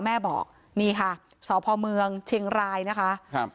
แม่บอกนี่ค่ะสพเมืองเชียงรายนะคะครับ